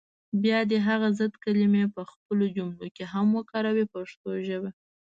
بیا دې هغه ضد کلمې په جملو کې هم وکاروي په پښتو ژبه.